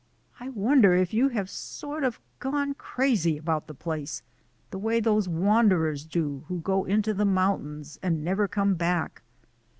... I wonder if you have sort of gone crazy about the place, the way those wanderers do who go into the mountains and never come back.